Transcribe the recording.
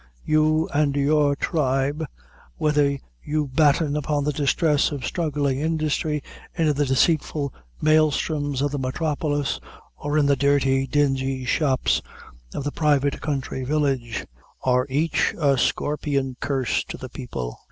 You and your tribe, whether you batten upon the distress of struggling industry in the deceitful Maelstrooms of the metropolis, or in the dirty, dingy shops of a private country village, are each a scorpion curse to the people.